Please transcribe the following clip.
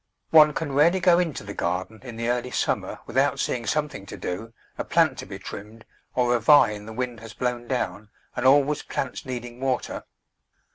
One can rarely go into the garden in the early sum mer without seeing something to do, a plant to be trimmed, or a vine the wind has blown down, and always plants needing water.